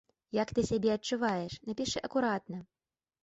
Як ты сябе адчуваеш, напішы акуратна.